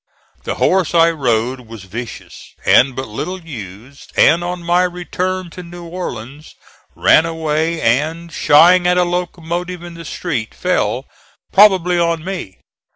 The horse I rode was vicious and but little used, and on my return to New Orleans ran away and, shying at a locomotive in the street, fell, probably on me.